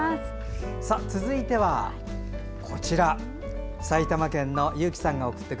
続いては、埼玉県のゆうきさん。